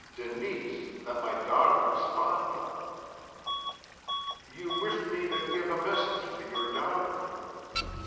'Denise, that my daughter is fond of.' "'You wished to give me a message to your daughter.'